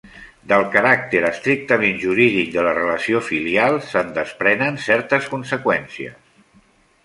Del caràcter estrictament jurídic de la relació filial se'n desprenen certes conseqüències.